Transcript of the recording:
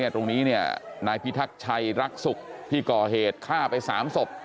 ตรงนี้นี่นายพี่ทักชัยรักษุพี่ก่อเหตุฆ่าไปสามศพ